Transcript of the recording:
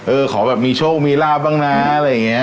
ขอแบบมีโชคมีลาบบ้างนะอะไรอย่างนี้